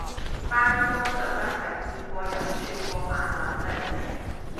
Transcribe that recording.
返工就真係見過人串過馬撚嘞